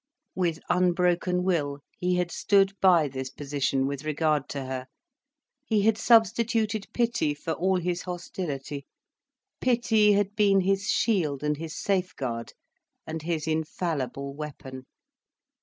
With unbroken will, he had stood by this position with regard to her, he had substituted pity for all his hostility, pity had been his shield and his safeguard, and his infallible weapon.